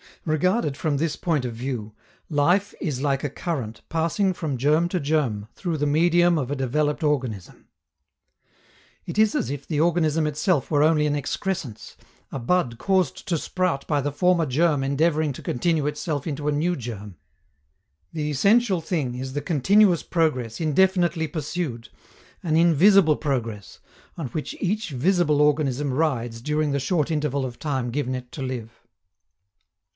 Regarded from this point of view, life is like a current passing from germ to germ through the medium of a developed organism. It is as if the organism itself were only an excrescence, a bud caused to sprout by the former germ endeavoring to continue itself in a new germ. The essential thing is the continuous progress indefinitely pursued, an invisible progress, on which each visible organism rides during the short interval of time given it to live.